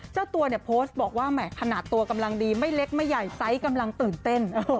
เจ้าตัวเนี่ยโพสต์บอกว่าแหมขนาดตัวกำลังดีไม่เล็กไม่ใหญ่ไซส์กำลังตื่นเต้น